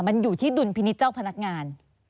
มันอยู่ที่ดุลพินิษฐ์เจ้าพนักงาน